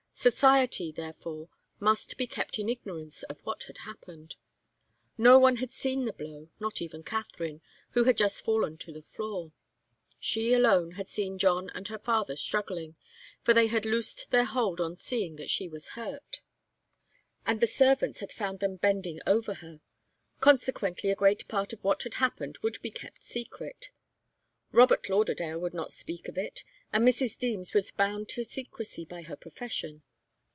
Society, therefore, must be kept in ignorance of what had happened. No one had seen the blow, not even Katharine, who had just fallen to the floor. She alone had seen John and her father struggling, for they had loosed their hold on seeing that she was hurt, and the servants had found them bending over her. Consequently, a great part of what had happened would be kept secret. Robert Lauderdale would not speak of it, and Mrs. Deems was bound to secrecy by her profession.